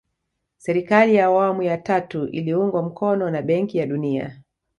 serikali ya awamu ya tatu iliungwa mkono na benki ya dunia